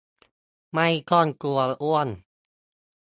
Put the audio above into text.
ไม่ต้องกลัวอ้วน